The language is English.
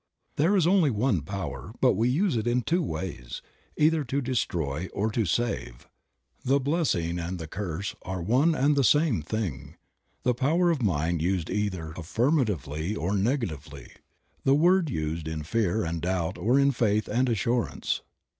HTHERE is only One power, but we use it in two ways, either to destroy or to save. The blessing and the curse are one and the same thing ; the power of mind used either affirmatively or negatively; the word used in fear and doubt or in faith and assurance.